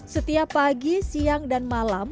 setiap pagi siang dan malam